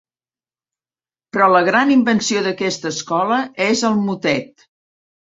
Però la gran invenció d'aquesta escola és el motet.